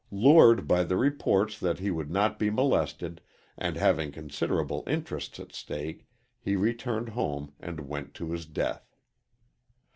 Lured by the reports that he would not be molested, and having considerable interests at stake, he returned home and went to his death.